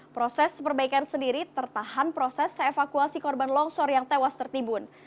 proses perbaikan sendiri tertahan proses evakuasi korban longsor yang tewas tertimbun